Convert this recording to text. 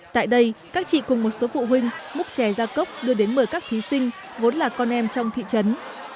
tại đây các chị cùng một số phụ huynh múc chè ra cốc đưa đến mời các thí sinh vốn là con em trong thị trấn